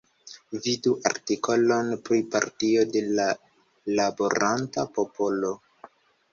Vidu artikolon pri Partio de la Laboranta Popolo.